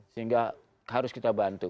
sehingga harus kita bantu